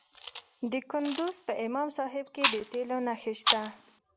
د کندز په امام صاحب کې د تیلو نښې شته.